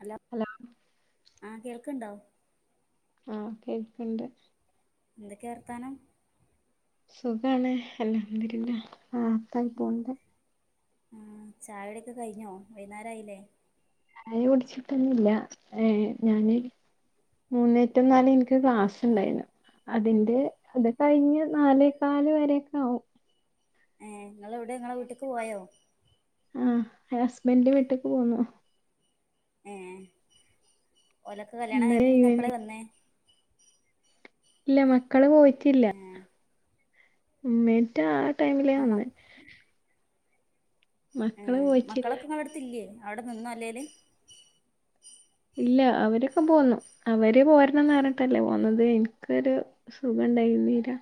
Hello ആഹ് കേൾക്കണ്ടോ ആഹ് കേക്ണ്ട് എന്തൊക്കാ വർത്താനം സുഖാണ് അൽഹംദുലില്ലാ റാഹത്തായി പോകുന്നുണ്ട് ആഹ് ചായൊടി ഒക്കെ കഴിഞ്ഞോ വൈന്നാരംആയില്ലേ ചായ കുടിച്ചിട്ടൊന്നില്ല ഏഹ് ഞാന് മൂന്നേറ്റു നാല് എനിക്ക് ക്ലാസ് ഉണ്ടായിരുന്നു അതിന്റെ അത് കഴിഞ്ഞ് നാലേക്കാല് വരൊക്കെ ആവും ഏഹ് ങ്ങള് എവടെ ങ്ങളെ വീട്ട്ക്ക് പോയോ ആഹ് ഹസ്ബന്റ് വീട്ട്ക്ക് പോന്നു ഏഹ് ഓലൊക്കെ കല്യാണം ഇന്നലെ കഴിഞ്ഞ് പിന്നെ എപ്പളേ ഈവനിങ് വന്ന് ഇല്ല മക്കള് പോയിട്ടില്ല ഉം ഉമ്മീറ്റ ആ ടൈമിലേ ആ മ വന്നെ മക്കള് ഉം പോയിട്ടില്ല മക്കളൊക്കെ നിങ്ങളുടെ അടുത്ത് ഇല്ലേ അവിടെ നിന്നോ അല്ലേല് ഇല്ല അവരൊക്കെ പോന്നു അവര് പോരണംന്ന് പററിഞ്ഞട്ടല്ലേ പോന്നുന്നത് ഇൻക്കൊരു സുഖം ഉണ്ടായിന്നീരാ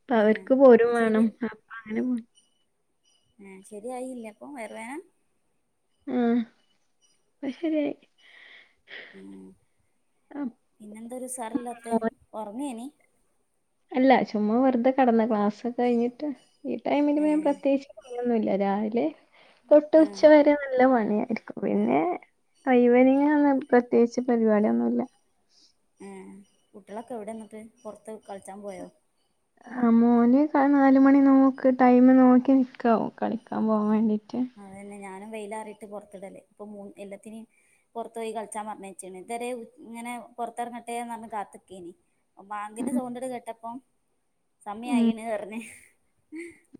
അപ്പൊ ഏ അവർക്ക് പോരും ശരി വേണം അപ്പ അങ്ങനെ പോന്ന് ആഹ് ശരിയായില്ലേ അപ്പോ വയറ് വേന ആഹ് അത് ശരിയായി ഉം ആ പിന്നെന്താ ഒരു ഉസാറില്ലാത്തെ മോൻ ഉറങ്ങേനി അല്ല ചുമ്മാ വെറുതെ കടന്ന ക്ലാസ് ഒക്കെ കയിഞ്ഞിട്ട് ഈ ടൈമില് ഏ ഞൻ പ്രത്യേകി പണിയൊന്നുല്ല രാവിലെ തൊട്ട് ആ ഉച്ച വരെ നല്ല പണിയായിരിക്കും പിന്നെ ഇവനിങ്ങിന് പ്രത്യേകിച്ച് പരിപാടിയൊന്നുല്ല ആഹ് കുട്ടിയളൊക്കെ എവിടെ എന്നിട്ട് പുറത്ത് കളിച്ചാൻ പോയോ അഹ് മോന് നാല് മണി നോക്ക് ടൈമു നോക്കി നിക്കാവും കളിക്കാൻ പോവാൻ വേണ്ടിട്ട് അതു തന്നെ ഞാനും വെയിലാറിയിട്ട് പുറത്തിടല്ലേ ഇപ്പോ മൂ എല്ലാത്തിനും പുറത്തു പോയി കളിച്ചാ പറഞ്ഞച്ചണ് ഇതുവരെ ഇങ്ങനെ പുറത്തിറങ്ങട്ടെന്ന് പറഞ്ഞ് കാത്ത് നിക്കേനി ബാങ്കിന്റെ ഉം, സൗണ്ട് കേട്ടപ്പ ഉം. സമയയിണ് പറഞ്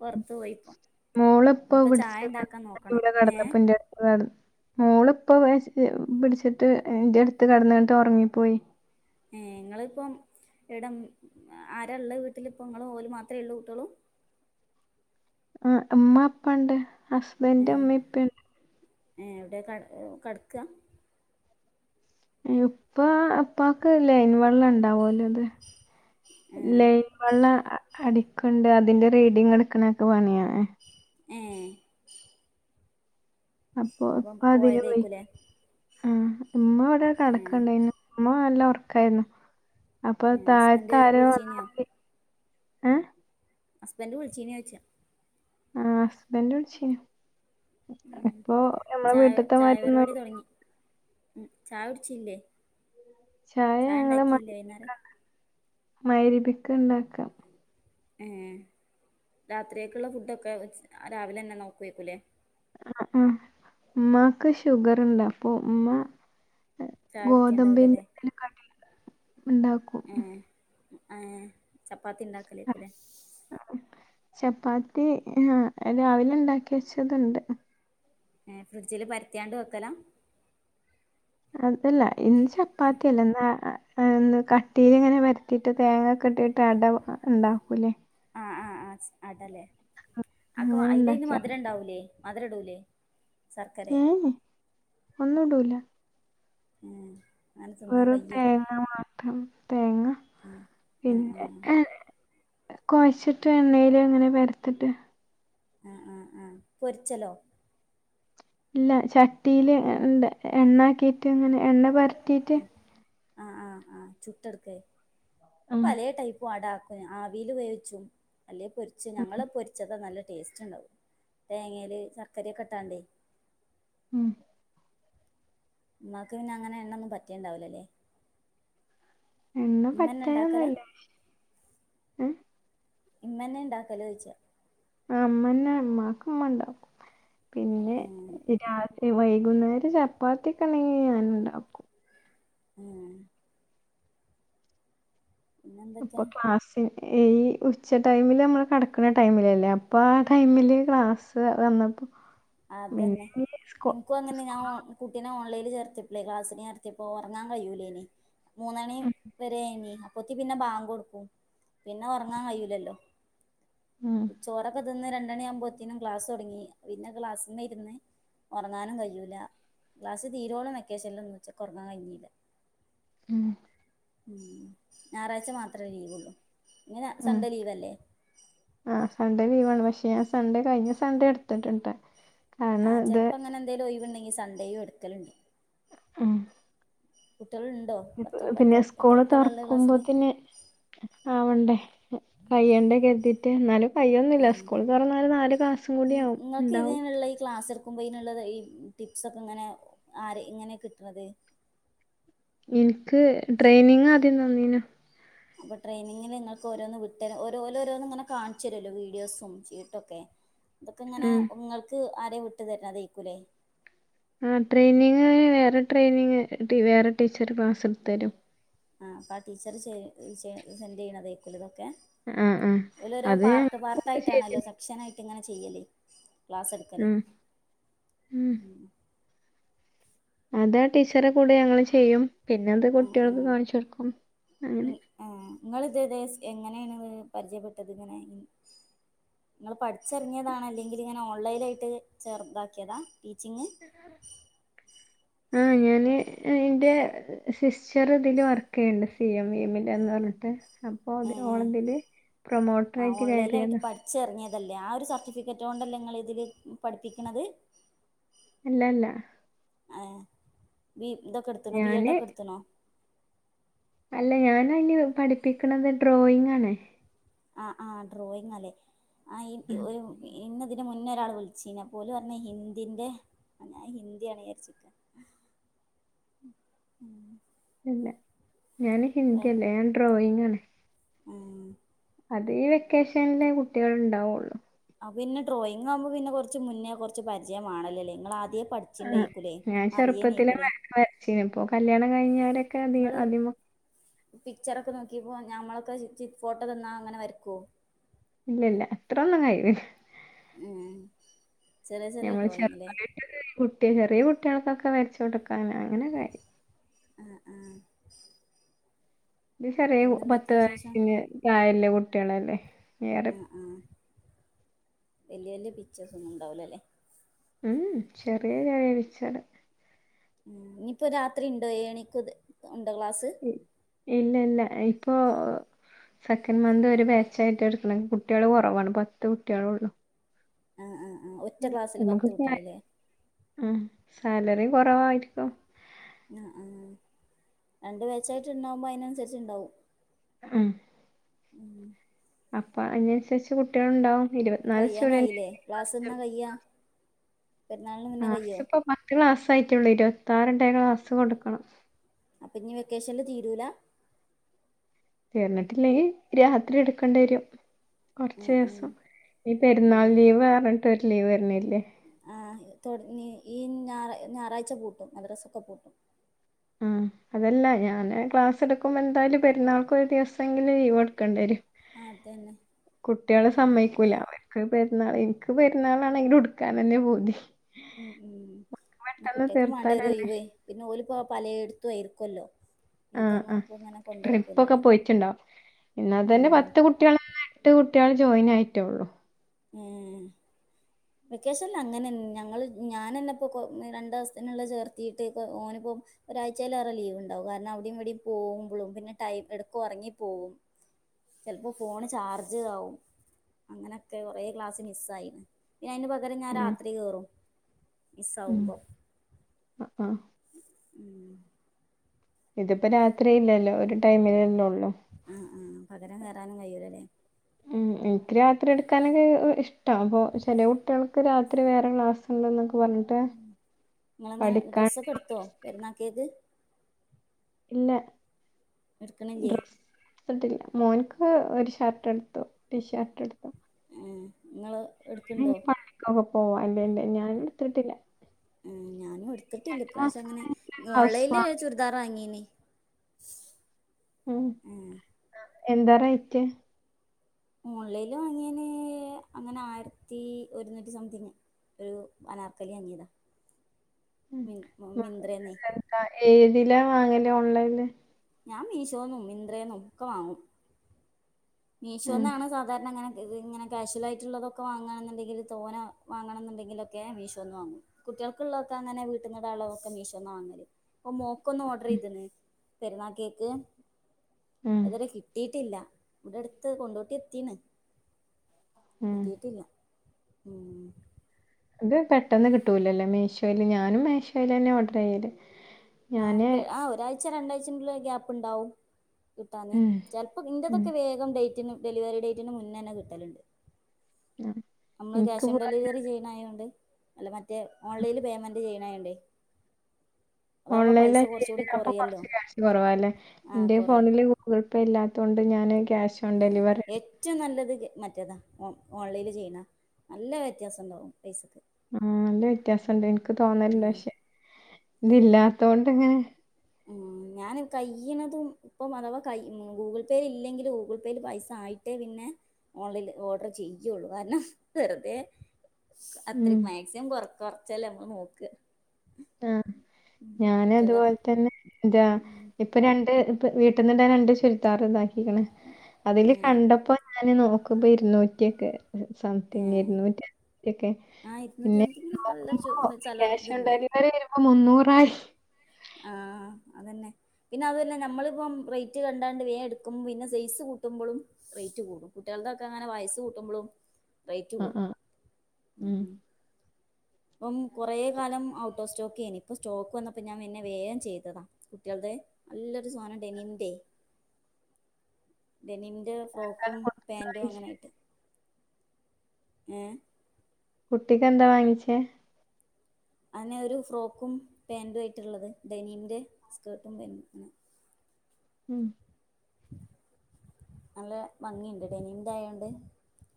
പുറത്ത് പോയിപ്പോ മോള ഇപ്പോ വിടിച്ച നോക്കണം ഏഹ് കടന്നപ്പറടുത്ത് കടന്നു മോളിപ്പ പിടിച്ചിട്ട് എന്റെ അടുത്ത് കടന്നാട്ട് ഉറങ്ങിപ്പോയി ഏഹ് ഇങ്ങളിപ്പം ഇവിടം ആരള്ള വീട്ടിലിപ്പങ്ങള ഓല് മാത്രമേ ഉള്ളൂ കുട്ടിയളും ആഹ് ഉമ്മ ഉപ്പ ഉണ്ട് ഹസ്ബൻ്റ് ഏഹ് ഇമ്മപ്പ ഉണ്ട് ഏഹ് എവിടെയാ ക കട്കാ ഇപ്പ ഇപ്പക്ക് ലൈൻ വെള്ളം ഇണ്ടാവല്ലത് ഏഹ് ലൈ വെള്ളം അടിക്ക്ന്ണ്ട് അതിന്റെ റീഡിങ് എടുക്കണൊക്കെ പണിയാണ് ഏഹ് അപ്പൊ അപ്പം ഇപ്പ അതിന് പോയി പോയതേക്കൂലേ ഇമ്മ ഇവിടെ ഏഹ് കടക്കുണ്ടായിരുന്നു ഉമ്മ നല്ല ഒർക്കായിരുന്നു അപ്പൊ ഏഹ് താഴ്ത്ത ഹസ്ബൻഡ് ആരോ വന്ന വിളിച്ചീനിയോ മാതിരി ഏഹ് ഹസ്ബന്റ് വിളിച്ചീനോ ചോയ്ച്ച ആഹ് ഹസ്ബന്റ് വിളിചിന്നു ഇപ്പൊ നമ്മടെ ചായ വീട്ടത്തെ ചായ മാരിഒന്നും പരിപാടി തുടങ്ങി ഉം ചായ കുടിച്ചില്ലേ ചായ ഞങ്ങള് മഹ് ഉണ്ടാക്കിയില്ലേ രിപിക്ക വൈന്നേരം ഉണ്ടാക്കാ മഹ് രിപിക്ക ഉണ്ടാക്കാ ഏഹ് രാത്രിയേക്കുള്ള ഫുഡൊക്കെ രാവിലെ തന്നെ നോക്കൂഎകുല്ലേ ആഹ് ആഹ് ഉമ്മാക്ക് ഷുഗർ ഉണ്ട് അപ്പൊ ഉമ്മ ചായ കുടിക്കേണ്ടാവൂലല്ലേ ഗോതമ്പിന്റെ കടി ഉണ്ടാക്കും ഇതു് ഏഹ് ചപ്പാത്തി ഉണ്ടാക്കലേക്കൂല്ലേ ചപ്പാത്തി ആഹ് രാവിലെ ഉണ്ടാക്കി വെച്ചതുണ്ട് ഏഹ് ഫ്രിഡ്ജില് പരത്തിയാണ്ട് വെക്കലാ- അതല്ല ഇന്ന് ചപ്പാത്തിയല്ലാ ഇന്ന്- കട്ടീൽ ഇങ്ങനെ പരത്തിയിട്ട് തേങ്ങക്കെ ഇട്ടിട്ട് അട ഉണ്ടാക്കൂല്ലേ. ആഹ് ആഹ ആ അടല്ലേ അക്കൊ അങ്ങനെ അതിലയ്ന് ഉണ്ടാക്കിയ മധുരം ഉണ്ടാവൂല്ലേ. മധുരം ഇടൂലെ ശർക്കര- ഏ ഒന്നും ഇടൂല ഏഹ് വെറും തേങ്ങ മാത്രം തേങ്ങ ആ ആ പിന്നെ- കൊഴച്ചിട്ട് എണ്ണേലും എങ്ങനെ പരത്തിട്ട്. ആ ആ ആ പൊരിച്ചലോ. ഇല്ല ചട്ടിയില് എണ്ണ ആക്കിട്ട് അങ്ങനെ എണ്ണ പരറ്റീട്ട് - ആഹ് ആഹ് ആഹ് ചുട്ട് എടുക്കേ ആ, അപ്പോ പലേ ടൈപ്പും അട- ആവിൽ വേവിച്ചും അല്ലേ പൊരിച്ച് ഉം, ഞങ്ങൾ പൊരിച്ചാ നല്ല ടേസ്റ്റ് ഉണ്ടാവും. തേങ്ങയിൽ ശർക്കരയ ഒക്കെ ഇട്ടാണ്ടേ. ഉം.. ഉമ്മാക്ക് പിന്നെ അങ്ങനെ എണ്ണന്നും പറ്റേണ്ടാവില്ലല്ലേ. എണ്ണ ഇമ്മ തന്നെ ഉണ്ടാക്കലാ പറ്റാനൊന്നുമില്ല ഉമ്മ തന്നെ ഉണ്ടാക്കല് ചോദിച്ചതാ- ആ ഉമ്മ തന്നെ ഉമ്മാക്ക് ഉണ്ടാക്കും പിന്നെ ഉം ആ രാത്രി- വൈകുന്നേരം ചപ്പാത്തിയാണെങ്കിൽ ഞാൻ ഉണ്ടാക്കും. ഉം. പിന്നെന്തൊക്കെ അപ്പോ ക്ലാസ്സ്- പിന്നെ ഈ ഉച്ച ടൈമിൽ നമ്മൾ കിടക്കുന്ന ടൈമിലല്ലേ അപ്പോൾ ആ ടൈമിൽ ക്ലാസ്സ് വന്നപ്പോ- പിന്നെ അതന്നെ ഈ സ്കൂ ഇന്ക്കും അങ്ങനെ സ്കൂ ഞാൻ- കുട്ടീനെ ഓൺലൈനിൽ ചേർതിയപ്പോ ക്ലസ്റ്റിന് ചേർതിയപ്പോ ഉറങ്ങാൻ കഴിയൂ ലേനീ. മൂന്നണി വരെ ആയിനു. അപോത്തി പിന്നെ ബാങ്ക് കൊടുക്കും പിന്നെ ഉറങ്ങാൻ കഴിലുല്ലോ ഉം ചോർ ഒ ക്കെ- തിന്ന് രണ്ടുമണി ആയപ്പത്തേക്കും ക്ലാസ് തുടങ്ങി പിന്നെ ക്ലാസ്സിൽ ഇരുന്ന് ഉറങ്ങാനും കഴിയൂല്ല. ക്ലാസ് തീരുവോളം വെക്കേഷനിൽ ഒന്നും ഉച്ചയ്ക്ക് ഉറങ്ങാൻ കഴിഞ്ഞില്ല. ഉം ഉം.. ഉം ഞായറാഴ്ച്ച മാത്രേ ലീവൊള്ളൂ നീ സൺഡേ ലീവല്ലേ. ആഹ് സൺഡേ ലീവാണ് പക്ഷേ ഞാൻ സൺഡേ കഴിഞ്ഞ സൺഡേ എട്ത്തിട്ട്ണ്ട്. ആഹ് ചെലപ്പ അങ്ങനെ എന്തേലും ഒഴിവ്ണ്ടെങ്കി സൺഡേയും എടുക്കലുണ്ട്. കുട്ട്യേള്ണ്ടോ? ഇഞ്ഞ്പ്പ പിന്നെ സ്കൂള് തൊറക്കുമ്പോത്തിന് ആവണ്ടേ. കയ്യണ്ടെ കര്തിയിട്ട് ഇന്നാലും ആ കയ്യൊന്നുല്ല സ്കൂള് തൊറന്നാലും നാല് ക്ലാസും കൂട്യാവും ഇണ്ടാവും ഇപ്പള്ള ഈ ക്ലാസ്സ് ക്കുമ്പയിന്ള്ളതെ ഈ ടിപ്സൊക്കെ ഇങ്ങനെ ആര് ഇങ്ങനെ ആരെ ഇങ്ങനെ കിട്ട്ണത്. എനിക്ക് ട്രെയിനിങ് ആദ്യം തന്നീനു അപ്പോ ട്രെയിനിങ്ങിന് ഇങ്ങക്ക് ഓരോന്ന് വിട്ടെര ഓര് ഓല് ഓരോന്ന് ഇങ്ങനെ കാണിച്ചെരല്ലോ വീഡിയോസും ചീട്ടൊക്കെ ഇതൊക്കെ ഇങ്ങനെ ഉം ഇങ്ങൾക്ക് ആരെ വിട്ട് തര്ണതേക്കും ലേ ആഹ് ട്രെയിനിങ് വേറെ ട്രെയിനിങ് വേറെ ടീച്ചറ് ക്ലാസ്ട്ത്ത് തരും. ആഹ് അപ്പം ആ ടീച്ചറ് ചെ ചെ സെന്റെയ്യ്ണതേക്കും ലേ ഇതൊക്കെ. ആ ആ ഓല് ഓരോ അത് പാർട്ട് പാർട്ട് ഞങ്ങൾക്കൊക്കെ ശരി ആയിട്ടാണല്ലോ സബ് ഷനായിട്ട് ഇങ്ങനെ ചെയ്യല് ക്ലാസ്സ്ട്ക്കല് ഉം ഉം അതാ ടീച്ചറെ കൂടെ ഞങ്ങള് ചെയ്യും പിന്നെ അത് ആ കുട്ട്യേൾക്ക് കാണിച്ച് കൊടുക്കും അങ്ങനെ ആഹ് ഇങ്ങള് ഇത് ഏത് സ് എങ്ങനെയാണ് പരിചയപ്പെട്ടത് ഇങ്ങനെ ഇങ്ങള് പഠിച്ചിറങ്ങിയതാണ് അല്ലെങ്കിൽ ഇങ്ങനെ ഓൺലൈനായിട്ട് ചേറ് ഇതാക്കിയതാ ടീച്ചിങ്ങ് [inaudible] ആഹ് ഞാന് എന്റെ സിസ്റ്റർ ഇതില് വർക്കെയ്യ്ണ്ട് സിഎംവിഎമ്മില് എന്ന് പറഞ്ഞിട്ട്. അപ്പോ ഇതില് ഓളതില് പ്രൊമോട്ടറായിട്ട് കേറിയതാ പഠിച്ച് എറങ്ങിയതല്ലേ ആ ഒരു സർട്ടിഫിക്കറ്റോണ്ടല്ലേ ഇങ്ങള് ഇതില് പഠിപ്പിക്ക്ണത്. അല്ലല്ല ഏഹ് ബി ഇതൊക്കെട്ത്ത്ണോ ഞാന് ബിഎഡോക്കെ ഇട്ത്ത്ണോ അല്ല ഞാന് അയിന് പഠിപ്പിക്ക്ണത് ഡ്രോയിങ്ങാണ് ആഹ് ആഹ് ഡ്രോയിങ്ങാലേ ആഹ് ആ, ഈ ഒരു ഇന്ന് ഇതിന്റെ മുന്നെ ഒരാള് വിളിച്ചീനി അപ്പ ഓല് പറഞ്ഞ് ഹിന്ദിൻ്റെ ഞാൻ ഹിന്ദിയാണ് വിചാരിച്ചിരിക്ക ഇല്ല ഞാന് ഹിന്ദി അല്ല ഞാന് ഡ്രോയിങ്ങാണ് ആഹ് അത് ഈ വെക്കേഷനിലെ കുട്ട്യേള് ഇണ്ടാവൊള്ളു അത് പിന്നെ ഡ്രോയിങ്ങാവുമ്പോ പിന്നെ കൊറച്ച് മുന്നേ കൊറച്ച് പരിചയ മാണല്ലോലേ ഇങ്ങള് ആദ്യേ പഠി ആഹ് ഞാൻ ചെറ്പ്പത്തിലേ വ വരച്ചീനു ഇപ്പൊ കല്യാണം കഴിഞ്ഞാരെക്കെ അതി അതിമ്മേ പിക്ച്ചറൊക്കെ നോക്കിപ്പോ ഞമ്മളൊക്കെ ചി ഫോട്ടോ തന്നാ അങ്ങനെ വരയ്ക്കോ ഇല്ല ഇല്ല അത്രൊന്നും കഴിവ് ഏഹ് ചെറ്യേ ചെറ്യേ ഞമ്മൾ ഡ്രോയിങ്ലേ ചെറുതായിട്ട് കുട്ടി ചെറ്യേ കുട്ട്യേള്ക്കൊക്കെ വരച്ചോട്ക്കാന് അങ്ങനെ കഴി ആഹ് ആഹ് ഇത് ചെറ്യേ പിന്നെ പത്ത് എന്തൊക്കെയ വിശേഷം വയസ്സിന്റെ താഴെള്ള കുട്ട്യേള്ല്ലേ വേറെ ആഹ് വെല്ല്യ വെല്ല്യ പിച്ചേഴ്സൊന്നും ഉണ്ടാവൂല ലേ ഉം ചെറിയ ചെറിയ പിക്ച്ചറ് ഉം ഇനിയിപ്പോ രാത്രിണ്ടോ ഏഴ്ണിക്ക്ത് ഉണ്ടോ ക്ലാസ് ഇല്ല ഇല്ല ഇപ്പൊ സെക്കൻഡ് മന്ത് ഒര് ബേച്ചായിട്ടാ എട്ക്ക്ണെ കുട്ട്യേള് കൊറവാണ് പത്ത് കുട്ട്യേളോള്ളു ആഹ് ആഹ് ആഹ് ഒറ്റ ക്ലാസില് പത്ത് നമുക്ക് സാ- കുട്ട്യേള്ലേ ഉം സാലറിയും കുറവാ ഇപ്പൊ ആഹ് ആഹ് രണ്ട് വെച്ചായിട്ട് ഉണ്ടാവുമ്പോൾ അതിനനുസരിച്ച് ഉണ്ടാവും ഉം അപ്പൊ അതിനനുസരിച്ച് കുട്ടികള് ഉണ്ടാവും ഇരുപത്തിനാല് സ്റ്റുഡ കഴിയാനായില്ലേ ക്ലാസ് എന്നാ കഴിയാ പെരുന്നാളിന് മുന്നേ ക്ലാസ് കഴിയോ ഇപ്പൊ പത്ത് ക്ലാസ് ആയിട്ടുള്ളൂ ഇരുപത്താറിന്റെ ക്ലാസ് കൊടുക്കണം അപ്പൊ ഇനി വെക്കേഷനിൽ തീരൂല തീർന്നിട്ടില്ലെങ്കിൽ രാത്രി എടുക്കേണ്ടി വരും കുറച്ച് ഉം ഉം ദിവസം ഈ പെരുന്നാൾ ഉം ലീവ് പറഞ്ഞിട്ട് ഒരു ലീവ് വരണില്ലേ ആഹ് തൊ ഈ ഞാ ഞായറാഴ്ച പൂട്ടും മദ്രസൊക്കെ പൂട്ടും ആഹ് അതല്ല ഞാന് ക്ലാസ് എടുക്കുമ്പോ എന്തായാലും പെരുന്നാൾക്ക് ഒരു ദിവസമെങ്കിലും ലീവ് എടുക്കേണ്ടി വരും അതന്നെ കുട്ടിയോള് ഉം സമ്മതിക്കൂല അവ എക്ക് പെരുന്നാൾ എനിക്ക് പെരാളാണെങ്കിൽ ഉടുക്കാൻ തന്നെ പൂതി ഉം ഉം പെട്ടെന്ന് കുട്ടിയോക്കും വേണ്ടേ ഒരു തീർത്താലല്ലേ ഇതേ പിന്നെ ഓല് ഇപ്പൊ പലേ എടുത്തും ആയിരിക്കൂല്ലോ ആഹ് ആഹ് ട്രിപ്പ്‌ ഒക്കെ പോയിട്ടുണ്ടാവും എന്നാൽ തന്നെ ഉം പത്ത് കു ട്ടികളെ അടുത്ത കുട്ടികൾ ജോയിൻ ആയിട്ടുള്ളൂ ഉം വെക്കേഷനലിൽ അങ്ങനെ ഞങ്ങൾ ഞാ തന്നെപ്പോൾ രണ്ട് ദിവസത്തിനുള്ള ചേർത്തിയിട്ട് ഓനിപ്പോൾ ഒരാഴ്ചയിലേറെ ലീവ് ഉണ്ടാകും കാരണം അവിടെയും ഇവിടെയും പോകുമ്പോഴും പിന്നെ ടൈം എടക്ക് ഉറങ്ങി പോകും ചിലപ്പോൾ ഫോണ് ചാർജ് ആവും അങ്ങനെ കൊറേ ക്ലാസ്സ് മിസായി പിന്നെ അതിന് പകരം ഞാൻ ഉം രാത്രി കേറും മിസ്സ്‌ ആവുമ്പോ ആഹ് ആഹ് ഉം ഇതിപ്പോ രാത്രി ഇല്ലല്ലോ ഒരു ടൈമിലല്ലേ ഉള്ളൂ ഉം ഉം പകരം കയറാനും കഴിയൂല്ല അല്ലേ ഉം എനിക്ക് രാത്രി എടുക്കാനൊക്കെ ഇഷ്ടവാ അപ്പോൾ ചില കുട്ടികൾക്ക് രാത്രി വേറെ ക്ലാസ് ഉണ്ട് എന്നൊക്കെ പറഞ്ഞിട്ട് ഉം നിങ്ങളിന്ന് പഠിക്കാൻ ഡ്രസ്സ് ഒക്കെ എടുത്തോ പെരുന്നാക്കായിട്ട് ഇല്ല എടുക്കണെങ്കി എടുത്തില്ല മോനക്ക് ഒരു ഷർട്ട് എടുത്തു ടീ ഷർട്ട് എടുത്തു ആഹ് നിങ്ങള് എടുക്കുണ്ടോ അപ്പോ പോവാ അല്ലല്ല ഞാൻ എടുത്തിട്ടില്ല ഉം ഞാനും എടുത്തിട്ടില്ല ഒരു ഇ പ്രാവശ്യം മാസം അങ്ങനെ കഴിഞ്ഞിട്ട് ബ്ലൗസ് ഓൺലൈനില് വാങ്ങും ചുരിദാർ വാങ്ങീനേ ഉം എന്താ റേറ്റ് ഓൺലൈന് വാങ്ങിയേന് അങ്ങനെ ആയിരത്തി ഒരുന്നൂറ്റി സംതിങ് ഒരു അനാർക്കലി അങ്ങിതാ ഉം മി വ മിന്ത്രെന്നെ എന്താ ഏതിലാ വാങ്ങല് ഓൺലൈനില് ഞാൻ മീശോന്നും മിന്ത്രേന്നും ഒക്കെ വാങ്ങും ഉം മീഷോന്നാണ് സാധാരണ അങ്ങനെ ഇതിങ്ങനെ കാക്ഷ്വലായിട്ടുള്ളതൊക്കെ വാങ്ങണോന്നുണ്ടെങ്കിൽ തോനെ വാങ്ങണം എന്നുണ്ടെങ്കിലൊക്കെ മീഷോന്ന് വാങ്ങും കുട്ടികൾക്ക് ഉള്ളതൊക്കെ അങ്ങനെ വീട്ടന്നുള്ളവർക്ക് മീശോന്നാ വങ്ങല് ഇപ്പ മോ ക്ക് ഒന്ന് ഓർഡർ ചെയ്തന്ന് പെരുന്നാൾകേക്ക് ഉം ഇതുവരെ കിട്ടിയിട്ടില്ല ഇവിടടുത്ത് കൊണ്ടോട്ടി എത്തീണ് ഉം എത്തീട്ടില്ല ഉം അത് പെട്ടെന്ന് കിട്ടൂലല്ലോ മീശോയില് ഞാനും മീശോല് തന്നെ ഓർഡർ ചെയ്യല് ഉം പ്പൊ ആഹ് ഒരാഴ്ച രണ്ടാഴ്ച [unintelligible] ഒരു ഗ്യാപ്പ്ണ്ടാവും. കിട്ടാന് ഉം ചെലപ്പോം ഉം ഇന്റതൊക്കെ വേഗം ഡേറ്റിന് ഡെലിവറി ഡേറ്റിന് മുന്നേന്നെ കിട്ടല്ണ്ട്. ആഹ് നമ്മള് ഇൻക്ക് ക്യാഷ് ഓൺ ഡെലിവറി ചെയ്യ്ണായോണ്ട് അല്ല മറ്റേ ഓൺലൈനില് പേയ്മെൻ ൻ്റെയ്യ്ണോണ്ടേ ഓൺലൈല് കുറച്ചുകൂടി [unintelligible] അപ്പൊ കുറയല്ലോ കൊറച്ച് ക്യാഷ് കൊറവല്ലേ ആഹ് എന്റെ കുറയും ഫോണില് ജി പേ ഇല്ലാത്തോണ്ട് ഞാന് ക്യാഷ് ഓൺ ഉം ഡെലിവറി എ റ്റും നല്ലത് മറ്റേതാ ഓ ഓൺലൈല് ചെയ്യണ നല്ല വ്യത്യാസണ്ടാവും പൈസക്ക്. ആഹ് നല്ല വ്യത്യാസണ്ട് ഇൻക്ക് തോന്നലില്ല ഉം പക്ഷെ ഇതില്ലാത്തൊണ്ടെന്നെ ഉം ഞാന് കയ്യ്ണതും നല്ല കൈ ഉം ഗൂഗിൾ പേയിലില്ലെങ്കിലൊള്ളൂ ഗൂഗിൾ പേയിൽ പൈസ ആയിട്ടേ പിന്നെ ഓൺലൈല് ഓർഡർ ചെയ്യൊള്ളൂ കാരണം വെറ്തെ ഉം അത്രയ്ക്ക് മാക്സിമം കൊർച്ച് കൊർച്ചല്ലേ അമ്മള് നോക്ക. ഉം കുട്ടികളതൊക്കെ ഞാനതേപോലെ ഇതാ ഇപ്പൊ രണ്ട് വ് വീട്ട്ന്ന്ടാന് രണ്ട് ചുരിദാറ് ഇതാക്കിക്ക്ണ് അതില് ഏഹ് കണ്ടപ്പോ ഞാനയ്ല് നോക്കുമ്പൊ ഇരുന്നൂറ്റ്യൊക്കെ സംതിങ് ഏഹ് ഇരുന്നൂറ്റി ഒക്കെ ആ ഇരുന്നൂറ്റി പിന്നെ സംതിങ്ങിനൊക്കെ നോക്കുമ്പോ നല്ലൊരു കാശ് ഓൺ ചലർതുണ്ട് ഡെലി വറി മുന്നൂറായി ആഹ് അതെന്നെ പിന്നെ അതൊല്ല നമ്മളിപ്പം റെയ്റ്റ് കണ്ടാണ്ട് വേം ഇട്ക്കുമ്പം പിന്നെ സെയസ് കൂട്ടുമ്പോളും റേറ്റ് കൂടും കുട്ട്യോൾതൊക്കെങ്ങനെ വയസ്സ് കൂട്ടുമ്പളും റെയ്റ്റ് ആഹ് കൂടും ആഹ് ഉം പ്പം കൊറെ കാലം ഔട്ട് ഓഫ് സ്റ്റോക്കേനി ഇപ്പ സ്റ്റോക്ക് വന്നപ്പോ ഞാൻ പിന്നെ വേം ചെയ്തതാ കുട്ട്യെൾത് നല്ലൊരു സാനം ഡെനിന്റെ ഡനിൻ ന്റെ അതാണ് ഫ്രോക്കും കുട്ടിക്ക് പാന്റും വാങ്ങിച്ചേ. അങ്ങനായിട്ട് ഏഹ് കുട്ട്യേൾ തെന്താന്നാ ചോയ്ച്ചേ? അതെന്യൊരു ഫ്രോക്കും പാൻ്റ്വായിട്ട്ള്ളത് ഡെനീന്റെ സ്കേർട്ടും പാന്റും [unintelligible] ഉം നല്ല ഭംഗിണ്ട് ഡനിൻ്റായോണ്ട്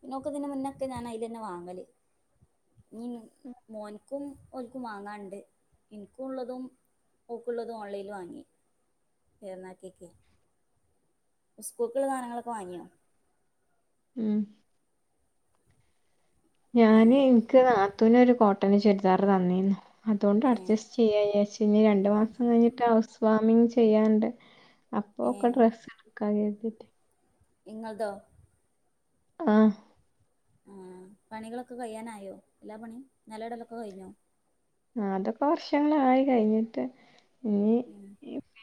ഇങ്ങൻത്തെ ഇതിന് മുന്നൊക്കെ ഞാൻ അയ്‌ലെന്നെ വാങ്ങല്. ഇനിം മോൻക്കും ഇൻക്കും വാങ്ങാണ്ട് ഇൻക്കുള്ളതും ഇക്കുള്ളതും ഓൺലൈല്ന്ന് വാങ്ങി പെര്ന്നാക്കക്ക് സ്കൂൾക്ക്ള്ളാധാനങ്ങളൊക്കെ വാങ്ങി. ഉം ഏ ഞാന് എനിക്ക് വീട്ട്ന്ന്ടാൻ കോട്ടൻ്റെ ചുരിദാറ് വാങ്ങി അതോണ്ട് ഏ അഡ്ജസ്റ്റെയ്യാചാര്ച്ച് ഇനി രണ്ടു മാസം കഴിഞ്ഞിട്ട് ഹൗസ് വാർമിംഗ് ചെയ്യാണ്ട്. അപ്പൊ ഏ ക്കെ ഡ്രസ്സ് ട്ക്കാ കര്തിട്ട്. ഇങ്ങൾതോ? ആഹ് ആഹ് പണികളൊക്കെ കഴിയാനായോ എല്ലാ പണിം നലെടെലൊക്കെ കഴിഞ്ഞോ? നല കൊർച്ചനായി കഴിഞ്ഞിട്ട് ഇ ഉം